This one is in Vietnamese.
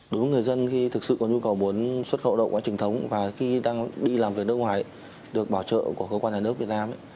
đối với người dân khi thực sự có nhu cầu muốn xuất khẩu động quá trình thống và khi đang đi làm việc nước ngoài được bảo trợ của cơ quan nhà nước việt nam